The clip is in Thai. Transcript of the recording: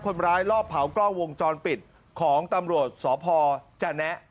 คนร้ายรอบเผากล้องวงจรปิดของตำรวจสพจนะ